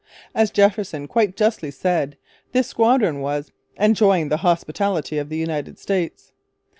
As Jefferson quite justly said, this squadron was 'enjoying the hospitality of the United States.'